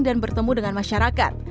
dan bertemu dengan masyarakat